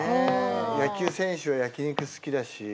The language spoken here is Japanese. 野球選手は焼き肉好きだし。